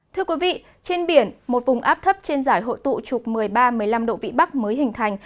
thưa quý vị trên biển một vùng áp thấp trên giải hộ tụ trục một mươi ba một mươi năm độ vĩ bắc mới hình thành